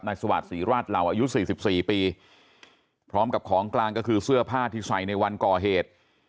สวัสดิ์ศรีราชเหล่าอายุ๔๔ปีพร้อมกับของกลางก็คือเสื้อผ้าที่ใส่ในวันก่อเหตุ